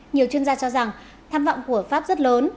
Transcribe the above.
nhiều chuyên gia cho rằng tham vọng của pháp rất lớn